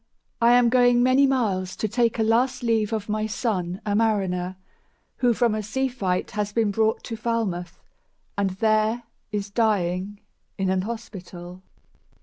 I am going many miles to take A last leave of my son, a mariner, Who from a sea fight has been brought to Falmouth, And there is dying in an hospital."